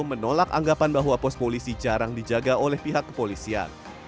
menolak anggapan bahwa pos polisi jarang dijaga oleh pihak kepolisian